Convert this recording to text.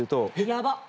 やばっ。